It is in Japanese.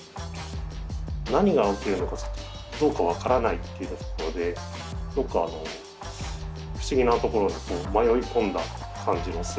何が起きるのかちょっとどうか分からないっていうようなところですごくあの不思議なところに迷い込んだ感じもする。